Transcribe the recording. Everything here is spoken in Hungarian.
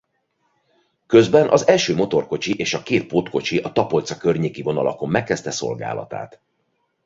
Közben az első motorkocsi és a két pótkocsi a Tapolca-környéki vonalakon megkezdte szolgálatát.